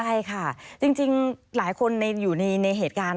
ใช่ค่ะจริงหลายคนอยู่ในเหตุการณ์